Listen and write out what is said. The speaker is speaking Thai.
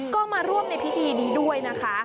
ก็มาร่วมในพิธีนี้ด้วยนะคะ